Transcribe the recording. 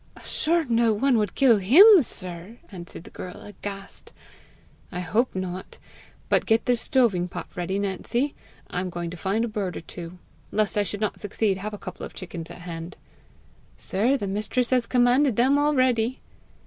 "Sure no one would kill HIM, sir!" answered the girl aghast. "I hope not. But get the stoving pot ready, Nancy; I'm going to find a bird or two. Lest I should not succeed, have a couple of chickens at hand." "Sir, the mistress has commanded them already."